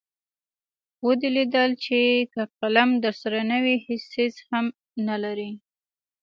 ودې لیدل چې که قلم درسره نه وي هېڅ څیز هم نلرئ.